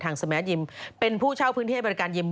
สแมทยิมเป็นผู้เช่าพื้นที่ให้บริการยิม